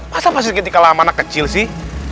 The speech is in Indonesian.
masa pak sri kiti kalah sama anak kecil sih